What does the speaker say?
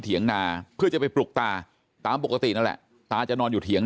เถียงนาเพื่อจะไปปลุกตาตามปกตินั่นแหละตาจะนอนอยู่เถียง